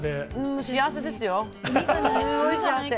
幸せです。